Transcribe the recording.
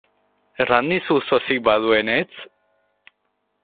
Erran dizu sosik baduenetz?